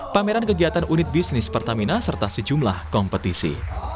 pameran kegiatan unit bisnis pertamina serta sejumlah kompetisi